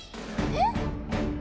えっ？